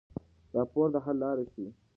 راپور د حل لارې ښيي.